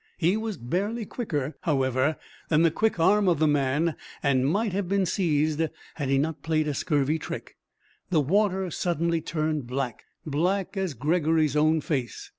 He was barely quicker, however, than the quick arm of the man, and might have been seized had he not played a scurvy trick: the water suddenly turned black black as Gregory's own face.